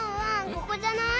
ここじゃない？